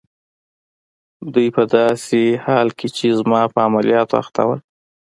دوی په داسې حال کې چي زما په عملیاتو اخته ول.